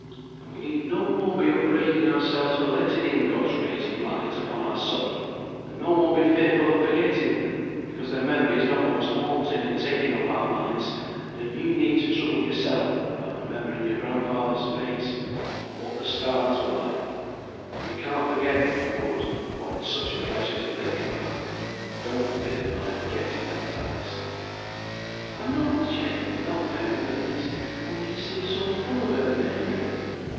And we need no more be upbraiding ourselves for letting in God's rays of light upon our sorrow, and no more be fearful of forgetting them, because their memory is not always haunting and taking up our minds, than you need to trouble yourself about remembering your grandfather's face, or what the stars were like, you can't forget if you would, what it's such a pleasure to think about. Don't fear my forgetting Aunt Alice." "I'm not, Jem; not now, at least; only you seemed so full about Mary."